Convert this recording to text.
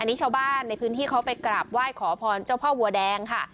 นี่ชาวบ้านในพื้นที่เขาไปกราบไหว้ขอพรเจ้าพ่อวัวแดงค่ะ